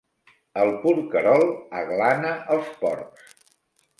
El porquerol aglana els porcs.